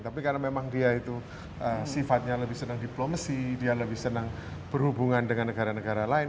tapi karena memang dia itu sifatnya lebih senang diplomasi dia lebih senang berhubungan dengan negara negara lain